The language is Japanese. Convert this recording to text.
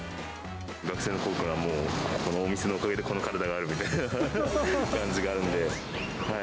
学生のころから、もうこのお店のおかげでこの体があるみたいな感じがあるんで。